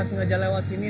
kamu kan ada disini